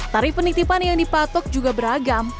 tarif penitipan yang dipatok juga beragam